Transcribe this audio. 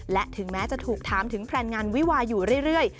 และถึงแม้จะถูกถามถึงแพลนงานวิวาอยู่เรื่อย